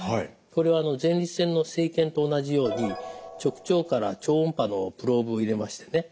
これは前立腺の生検と同じように直腸から超音波のプローブを入れましてね